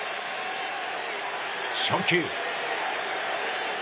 初球。